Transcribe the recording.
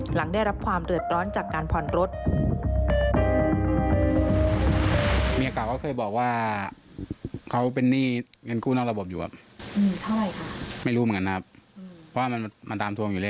หลังได้รับความเดือดร้อนจากการผ่อนรถ